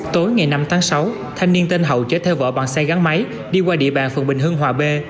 tối ngày năm tháng sáu thanh niên tên hậu chở theo vợ bằng xe gắn máy đi qua địa bàn phường bình hưng hòa b